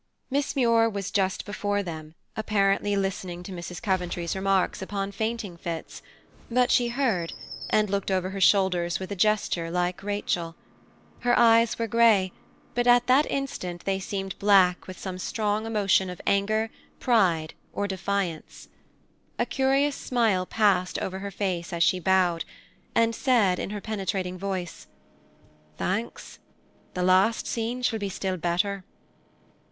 Miss Muir was just before them, apparently listening to Mrs. Coventry's remarks upon fainting fits; but she heard, and looked over her shoulders with a gesture like Rachel. Her eyes were gray, but at that instant they seemed black with some strong emotion of anger, pride, or defiance. A curious smile passed over her face as she bowed, and said in her penetrating voice, "Thanks. The last scene shall be still better."